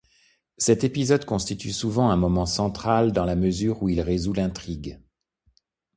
Cet épisode constitue souvent un moment central dans la mesure où il résout l'intrigue.